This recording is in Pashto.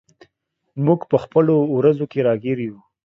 موږ په خپلو ورځو کې راګیر یو.